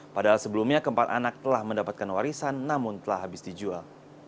padahal sebelumnya keempat anak telah mendapatkan warisan namun telah habis dijual